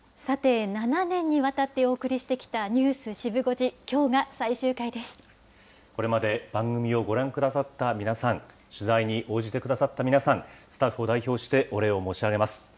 さて、７年にわたってお送りしてきたニュースシブ５時、きょうがこれまで番組をご覧くださった皆さん、取材に応じてくださった皆さん、スタッフを代表してお礼を申し上げます。